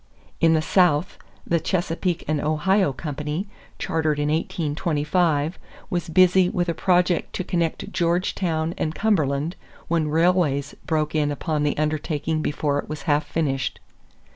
In the South, the Chesapeake and Ohio Company, chartered in 1825, was busy with a project to connect Georgetown and Cumberland when railways broke in upon the undertaking before it was half finished.